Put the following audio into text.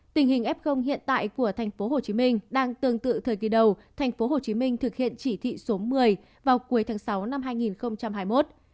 tình hình f hiện tại của tp hcm đang tương tự thời kỳ đầu tp hcm thực hiện chỉ thị số một mươi vào cuối tháng sáu năm hai nghìn hai mươi một